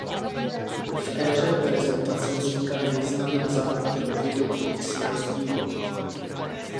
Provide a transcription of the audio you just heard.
V éře reprezentace vznikaly významy na základě uvědomění si rozdílu.